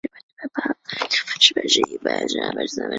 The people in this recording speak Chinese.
罗姆语社群的语言。